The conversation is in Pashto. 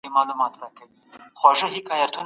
نړیواله سوله د هر انسان بنسټیزه غوښتنه ده.